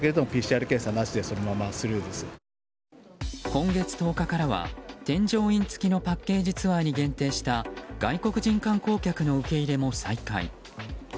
今月１０日からは添乗員付きのパッケージツアーに限定した外国人観光客の受け入れも再開。